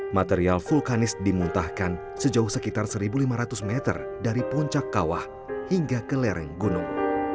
material vulkanis dimuntahkan sejauh sekitar satu lima ratus meter dari puncak kawah hingga ke lereng gunung